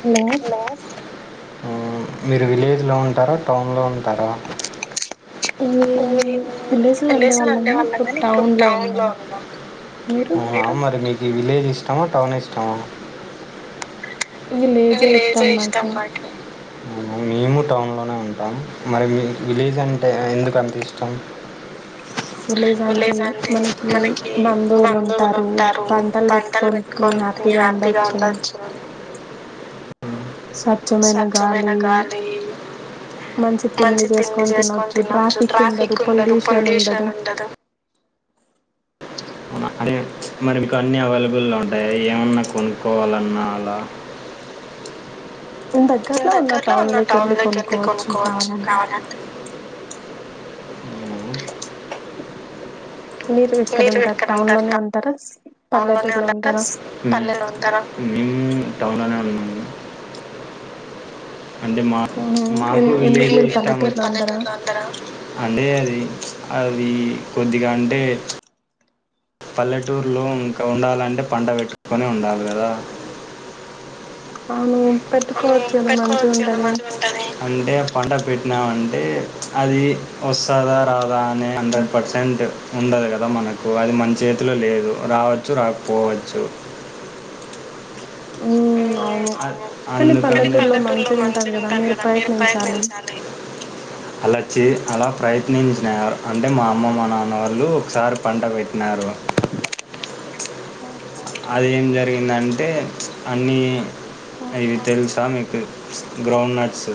Hello మీరు విలేజ్లో ఉంటారా టౌన్లో ఉంట మేము విలేజ్ లో ఉండే వాళ్ళం కానీ ఇప్పుడు టౌన్ లో ఉన్నాం మీరు విలేజ్ ఇష్టమా టౌన్ ఇష్టమా విలేజ్ ఏ ఇష్టం నాకి అవునా మేము టౌన్లోనే ఉంటాం మరి మీ విలేజ్ అంటే ఎందుకు అంత ఇష్టం విలేజ్ అంటే మనకి బంధువులు ఉంటారు పంటలు పెట్టుకోని హ్యాపీగా ఉండొచ్చు స్వచ్ఛమైన గాలి మంచి తిండి చేసుకొని తినొచ్చు ట్రాఫిక్ ఉండదు పొల్యూషన్ ఉండదు అవునా అంటే మరి మీకు అన్ని అవైలబుల్ ఉంటాయా ఏమన్నా కొనుక్కోవాలన్నా అలా ఈ దగ్గరలో ఉన్న టౌన్ లోకి వెళ్ళి కొనుక్కోవచ్చు కావాలంటె హు మీరు ఎక్కడ ఉంటారు టౌన్ లోనే ఉంటారా టౌన్ లోనే పల్లెలో ఉంటారా టౌన్ లోనే ఉన్నాను అంటే మా మాకు వీలేజే ఇష్టం అంటే అది అది కొద్దిగా అంటే పల్లెటూరులో ఇంకా ఉండాలంటే పంట పెట్టుకొనే ఉండాలి కదా అవును అంటే పంట పెట్టినామ అంటే అది వస్తదా రాదా అ హండ్రెడ్ పర్సెంట్ ఉండదు గదా మనకు అది మన చేతిలో లేదు రావచ్చు రాకపోవచ్చు ఊ ందు పల్లెటూరులో మంచిగా ఉంటాది కదా మీరు ప్రయత్నించాలి. అలా చే అలా ప్రయత్నించినారు అంటే మా అమ్మ మా నాన్న వాళ్ళు ఒకసారి పంట పెట్టినారు అది ఏం జరిగిందంటే అన్నీ ఇవి తెలుసా మీకు గ్రౌండ్నట్స్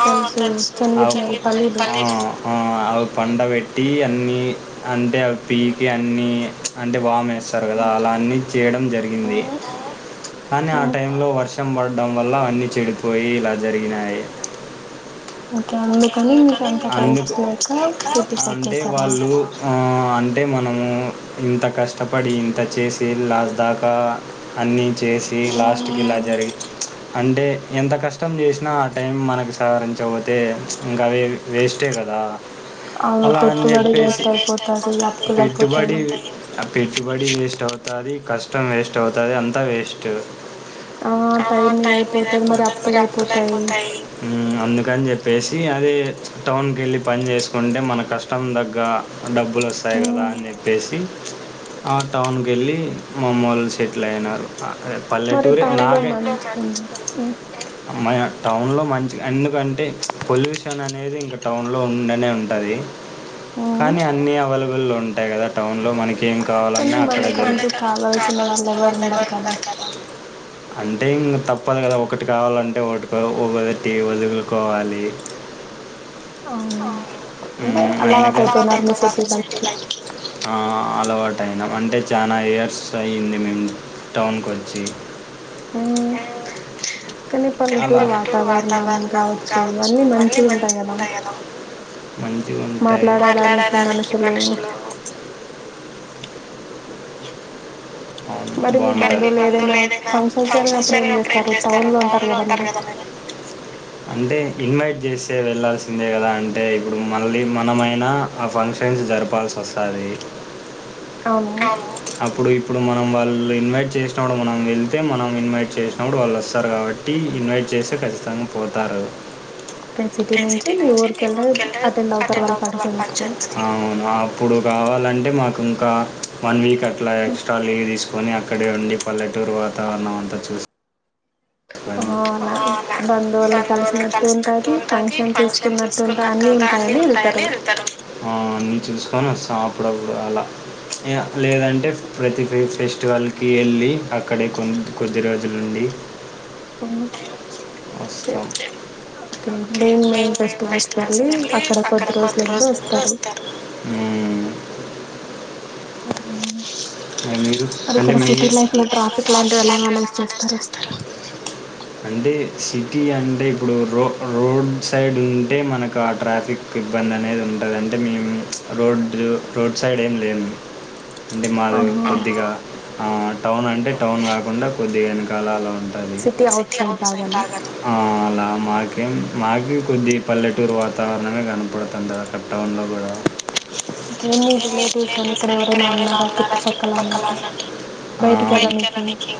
ఆ తెలుసు [unintelligible] అవి పండ పెట్టి అన్నీ అంటే అవి పీకి అన్నీ అంటే వామ్ వేస్తారు కదా అలా అన్నీ చేయడం జరిగింది కానీ ఆ టైంలో వర్షం పడడం వల్ల అన్నీ చెడిపోయి ఇలా జరిగినాయి. [unintelligible] అందుకు అంటే వాళ్ళు ఆ అంటే మనము ఇంత కష్టపడి ఇంత చేసి లాస్ట్ దాకా అన్నీ చేసి లాస్ట్కి ఇలా జరిగి అంటే ఎంత కష్టం చేసినా ఆ టైం మనకు సహరించకాపోతే ఇంకా అవి వేస్టే కదా అలా అని చెప్పేసి పెట్టుబడి పెట్టుబడి వేస్ట్ అవుతది కష్టం వేస్ట్ అవుతది అంతా వేస్ట్ ఆ టై మీద అయిపోతది మరి అప్పులు అయిపోతాయి ఉ అందుకని చెప్పేసి ఈ అదే టౌన్కి వెళ్ళి పని చేసుకుంటే మన కష్టం దగ్గ డబ్బులు వస్తాయి గదా అని చెప్పేసి ఆ టౌన్కి వెళ్ళి మామ్మూళ్ళు సెటిల్ అయినారు మరి టౌన్ లో మంచిగా ఉంద ఉ మన టౌన్లో మంచిగా ఎందుకంటే పొల్యూషన్ అనేది ఇంకా టౌన్లో ఉండేనే ఉంటది కానీ అన్ని అవలుగుల్లో ఉంటాయి గదా టౌన్ లో మనకి ఏం కావాలన్నా అక్కడ గ అంటే ఇంగ్ తప్పదు గదా ఒకటి కావాలంటే ఒకటి ఒకొదటి వదులుకోవాలి అవును ఉ ఆ అలవాటు అయినం అంటే చానా ఇయర్స్ అయ్యింది మేము టౌన్కు వచ్చి ఉ కానీ పల్లెటూరు వాతావరణం కావచ్చు అన్నీ మంచిగా ఉంటాయి గదా మంచిగా ఉంటాయి మాట్లాడడానికి మనుషులు మరి మీ బంధువు లేదైనా ఫంక్షన్స్ జరిగినప్పుడు ఏం చేస్తారు టౌన్ లో ఉంటారు గదా మీరు అంటే ఇగ్మైట్ చేస్తే వెళ్ళాల్సిందే కదా అంటే ఇప్పుడు మళ్ళీ మనమైనా ఆ ఫంక్షన్స్ జరపాల్సి వస్తాది అప్పుడు ఇప్ ఇప్పుడు మనం వాళ్ళు ఇన్వైట్ చేసినప్పుడు మనం వెళ్తే మనం ఇన్వైట్ చేసినప్పుడు వాళ్ళు వస్తారు కాబట్టి ఇన్వైట్ చేస్తే ఖచ్చితంగా పోతారు టెన్ సిటీ నుంచి మీ ఊరికెళ్లే అటెండ్ అవుతారు వాళ్ళు పన్ చాన్స్ ఇప్పుడు కావాలంటే మాకు ఇంకా వన్ వీక్ అ ఎట్లఏక్స్ తీసుకొని అక్కడే ఉండి పల్లెటూరు వాతావరణం అంతా చూసి ఓ అవునా బంధువుల్ని కలిసినట్టు ఉంటది ఫంక్షన్ చూసుకున్నట్టు ఉంట అన్ని ఉంటాయని వెళ్తారు ఆ అన్ని చూసుకొని వస్తాం అప్పుడప్పుడు అలా లేదంటే ప్రతి ఫెస్టివల్ కి వెళ్ళి అక్కడే కొన్ కొద్ది రోజులు ఉండి ఉ ఆస్సాం మేము మేము ఫెస్టివల్స్ కెళ్లి అక్కడ కొద్ది రోజులు ఉండి వస్తారు అది ఇక్కడ సిటీ లైఫ్ లో ట్రాఫిక్ లాంటివి ఎలా మేనేజ్ చేస్తారు అంటే సిటీ అంటే ఇప్పుడు రోక రోడ్ ట్ సైడ్ ఉండింటే మనకు ఆ ట్రాఫిక్ ఇబ్బంది అనేది ఉంటది అంటే మేము రోడ్డు రోడ్ సైడ్ ఏం లేం అంటే మాదు కొద్దిగా ఆ టౌన్ అంటే టౌన్ కాకుండా కొద్ది వెనకాల అలా ఉంటది ఆ ఆ మాకేం మాక్ వి కొద్దిీగ పల్లెటూరు వాతావరణమే కనపడుతంటది అక్కడ టౌన్లో కూడా ఇంకేం మీ రిలేటివ్స్ గాని ఇక్కడ ఎవరన్న ఉన్నారా చుట్టుపక్కల అన్నట్టు బయటికి వెళ్లనీకి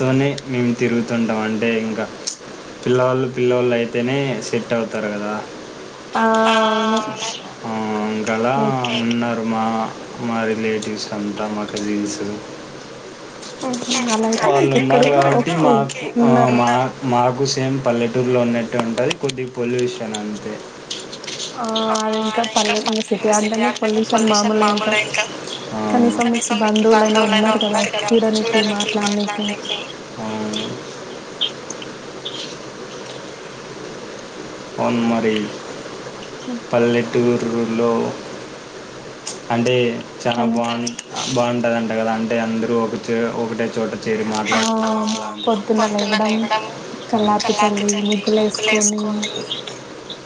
తోనే మేము తిరుగుతుంటాం అంటే ఇంకా పిల్లవాళ్ పిల్లోళ్లు అయితేనే సెట్ అవుతారు కదా ఆ అవును మా మా రిలేటివ్స్ అంతా మా కజిన్స్ వాళ్ళు ఉన్నారు కాబట్టి మాకు ఆ మా మాకు ఏంమ్ పల్లేదు ఊర్లో ఉన్నట్టు ఉంటది కొద్ది పొల్యూషన్ అంతే ఆ అది ఇంకా పల్లెటూరు సిటీ అంటేనే పొల్యూషన్ మామూలే ఇంకా ఆ కనీసం మీకి బంధువులయినా ఉన్నారు కదా చూడనికి మాట్లాన్నీకి అవును [inaudible] అవున్మరి పల్లెటూరు ఊర్లో అంటే చాలా బాం బాంటదంట అంటే కదా అంటే అందరు ఒకచే ఒకటె చోట చేరి మాట్లాడుకోడం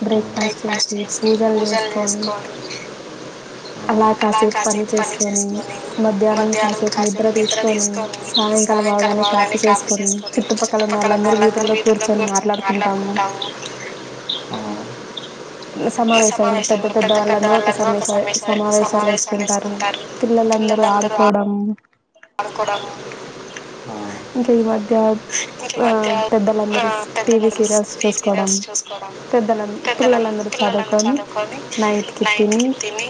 బ్రేక్ఫాస్ట్ చేసి పూజలు చేసుకొని అలా కాసేపు పని చేసుకొని మధ్యాహ్నం కాసేపు నిద్ర తీసుకొని సాయంకాలం అవగానే కాఫీ చేసుకొని చుట్టుపక్కల ఉన్న వాళ్ళందరు వీధుల్లో కూర్చొని మాట్లాడుకుంటాము ఆ సమావేశాలు పెద్ద పెద్ద వాళ్ళందరూ ఒక సమావే శ సమావేశాలు వేసుకుంటారు పిల్లలందరూ ఆడుకోవడం ఆడుకోడం ఆ మీకీ మధ్య ఆ పెద్దలందరు టీవి సీరియల్స్ చూసుకోడం పెద్దల పిల్లలందరు చదువుకొని నైట్ కి తిని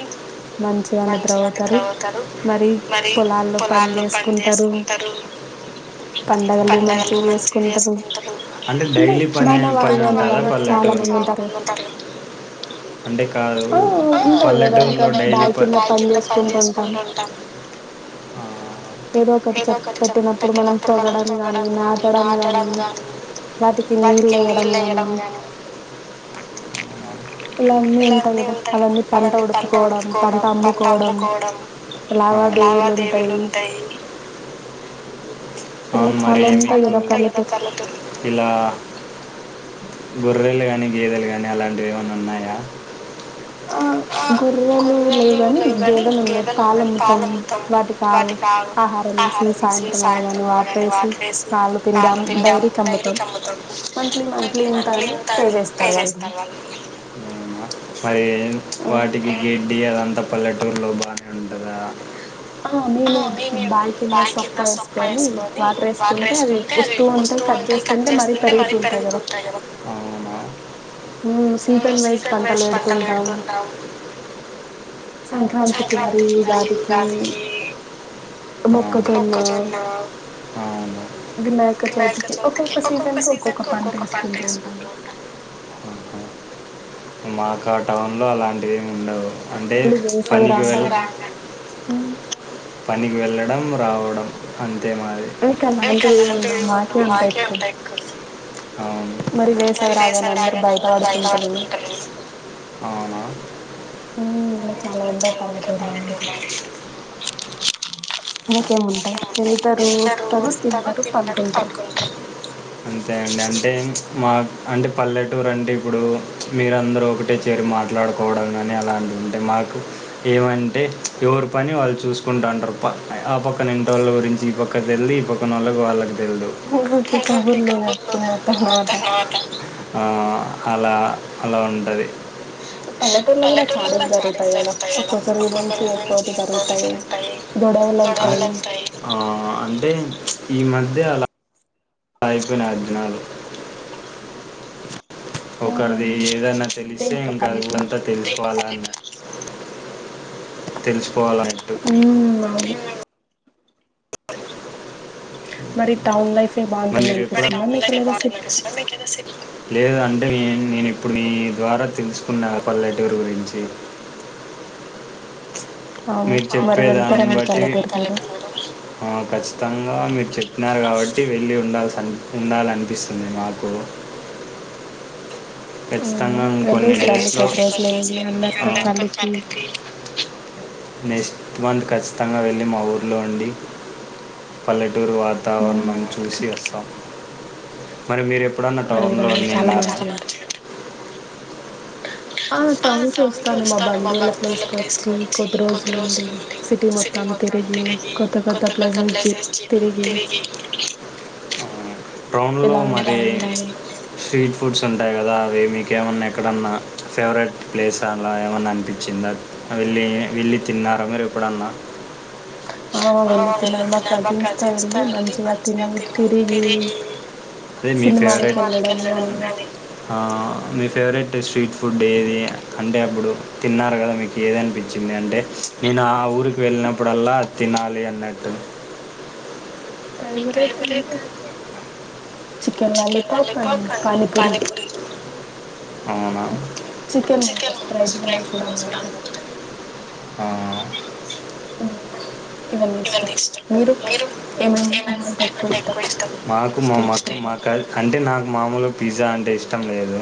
మంచిగా నిద్ర వోతారు మరి వాళ్ళు పని చేేసుకుంటారు పండగలు మంచిగచేసుకుంటారు అంటే డైలీ పని పని ఉంటందా పల్లెటూరులో అంటే కాదు పల్లెటూరులో డైలీ ప ఏదో ఒకటి చెప్ పెట్టినప్పుడు మనం తొవ్వడం గాని నాటడం గాని వాటికి నీళ్ళేయడం గాని ఇల అన్నీ ఉంటాయి కదా అవన్నీ పంట ఉడుపుకోవడం పంట అమ్ముకోవడం లావా దేవీలు ఉ అవును మరి ఇలా గొర్రెలు గానీ గేదెలు గానీ అలాంటివి ఏమన్న ఉన్నాయా ఆ గొర్రెలు లేవు గాని గేదెలు ఉన్నాయి పాలమ్ముతాం వాటి వాటి కా ఆహారం వేసి సాయంత్రం అవగానే వాటర్ ఏసి పాలు పిండాము డైరీ కమ్ముతామ్ మంత్లీ మంత్లీ ఇంత అని పే చేస్తారు వాళ్ళు పదివేల్ పార్టీకి గేట్ డి అదంతా పల్లెటూరులో బానే ఉంటదా ఆ మేమే బాయి కింద సొప్పా వేసుకోని, వాటర్ వేసుకుంటే అవి వస్తూ ఉంటే కట్ చేస్తుంటే, మరీ పెరుగుతూ ఉంటాయి కదా. ఉ సీజన్ వైజ్ పంటలు పెడుతుంటాం. సంక్రాంతికి మరి ఉగాదికి మొక్కజొన్నా వినాయక చవితి కి ఒక్కొక్క సీజన్ కి ఒక్కొక్క పంట వేసుకుంటూ ఉంటాను. మాకా టౌన్ లో అలాంటివి ఏమి ఉండవు ను వేసవి రాంగానే పనికి వెళ్ళడం రావడం అం మీకు అలాంటివి ఏమి ఉండవు మాకే ఉంటాయి ఎక్కువ అవును మరి వేసవి రాగానే అందరూ బయట పడుకుంటరు కదా అవున హ్మ్ ఇలా చాలా ఉం [inaudible] పల్లెటూర్లా మీకేముంటాయి వెళ్తారు వస్తరు తింటరు పండుకుంటరు మాకు అంటే పల్లెటూరు అంటే ఇప్పుడు మీరందరూ ఒకటే చేరి మాట్లాడుకోవడం గాని, అలాంటివి ఉంటాయి. మాకు ఏమంటే, ఎవరు పని వాళ్ళు చూసుకుంటాంటరు ఆ పక్క పక్కన ఇంటోళ్ళ గురించిఈ పక్క తెల్లి ఈ పక్కన వాళ్ళకి తెలుదు [unintelligible] ఆ అలా అలా ఉంటది పల్లెటూరులో కూడా చాడం జరుగుతాయి కదా. ఒక్కొక్కరి గురించి ఒక్కొటి జరుగుతాయి. గొడవలు అవుతాయి. ఆ అంటే ఈ మధ్య అయిపోయినాయి అర్జనాలు ఒకరిది ఏదన్నా తెలిస్తే ఇంకా అంతా తెలుసుకోవాలా అన్న తెలిసిపోవాలన్నట్టు మరి టౌన్ లైఫ్ మంచిగా చెప్పు లేదు అంటే నేన్ నేను ఇప్పుడు నీ ద్వారా తెలుసుకున్నా పల్లెటూరు గురించి మీరు చెప్పేదాన్ని బట్టి ఆ ఖచ్చితంగా మీరు చెప్పినారు కాబట్టి వెళ్ళి ఉండల్స్ ఉండాలనిపిస్తుంది మాకు ఖచ్చితంగా ఇంకొన్ని డేస్ నెక్స్ట్ మంత్ ఖచ్చితంగా వెళ్ళి మా ఊరిలో ఉండి పల్లె టూరు వాతావరణం చూసి వస్తాం. మరి మీరె ఎప్పుడన్న టౌన్ లో అన్నం తిన్నారా బ్రౌన్లో మరి స్టేట్ ఫ్రూట్స్ ఉంటాయి కదా అవి మీకేమన్నా ఎక్కడన్నా ఫేవరెట్ ప్లేస్ అలా ఏమన్నా అనిపించిందా వెళ్ళి వెళ్ళి తిన్నారా మీరు ఎప్పుడన్నా మీ ఫేవరేట్ హా మీ ఫేవరేట్ [unintelligible] ఫుడ్ ఏది అంటే అప్పుడు తిన్నారు కదా మీకు ఏది అనిపించింది [unintelligible] అంటే నేను ఊ కి వెళ్ళినప్పుడల్లా తినాలి అన్నట్టు [unintelligible] అయితంది చికెన్ లాలీపంప్ అండ్ పనీ పూరి అవునా ఆ నాకు మా మాక అంటే నా మామూలు పిజ్జా అంటే ఇష్టం లేదు.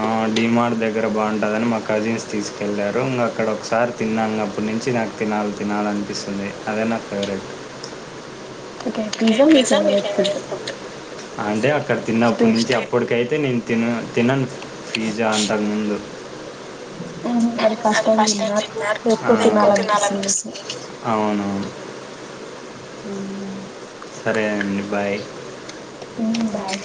ఆ డీమార్ట్ దగ్గర బాగుంటుందని మా కజిన్స్ తీసుకెళ్ళారు ఇంక అక్కడ ఒకసారి తిన్నానుప్పటి నుంచి నాకు తినాలి తినాలి అనిపిస్తుంది అదే నా ఫేవరెట్ అంటే అక్కడ తిన్నప్పటి నుంచి అప్పటికైతే నేను [unintelligible] తినను పిజ్జా అంతకు ముందు హా అవును మ్మ్ సరే అండి బాయ్ ఉ బాయ్